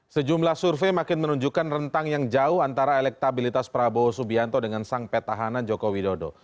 sejumlah survei makin menunjukkan rentang yang jauh antara elektabilitas prabowo subianto dengan sang petahana joko widodo